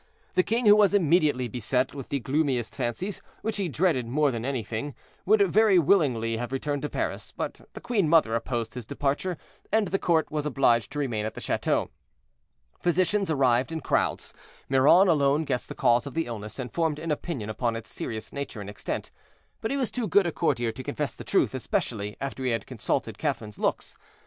The king, who was immediately beset with the gloomiest fancies, which he dreaded more than anything, would very willingly have returned to Paris; but the queen mother opposed his departure, and the court was obliged to remain at the chateau. Physicians arrived in crowds; Miron alone guessed the cause of the illness, and formed an opinion upon its serious nature and extent; but he was too good a courtier to confess the truth, especially after he had consulted Catherine's looks.